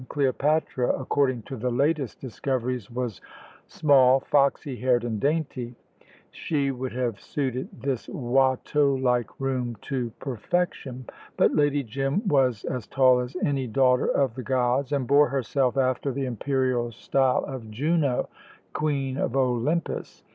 Cleopatra, according to the latest discoveries, was small, foxy haired, and dainty. She would have suited this Watteau like room to perfection. But Lady Jim was as tall as any daughter of the gods, and bore herself after the imperial style of Juno, Queen of Olympus.